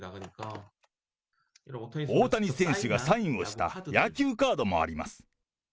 大谷選手がサインをした野球カードもあります。